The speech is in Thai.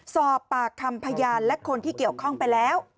สอบปากคำพยานและคนที่เกี่ยวข้องไปแล้ว